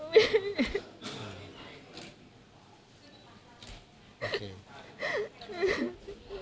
โอเค